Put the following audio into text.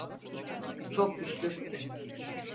Çok güçlü!